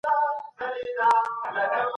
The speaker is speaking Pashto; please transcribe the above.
زه اوس د سبا لپاره د نوټونو يادونه کوم.